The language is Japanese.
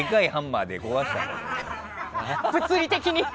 物理的に。